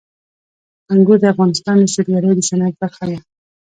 انګور د افغانستان د سیلګرۍ د صنعت برخه ده.